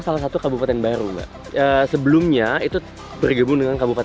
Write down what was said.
tapi juga dengan kuil